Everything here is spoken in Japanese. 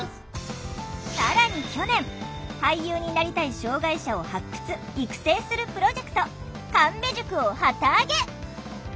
更に去年俳優になりたい障害者を発掘育成するプロジェクト神戸塾を旗揚げ！